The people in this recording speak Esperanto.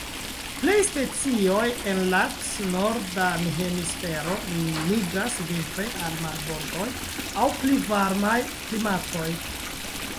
Plej specioj el lat norda hemisfero migras vintre al marbordoj aŭ pli varmaj klimatoj.